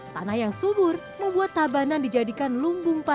tanah yang subur membuat tabanan dijadikan lumbung pasukan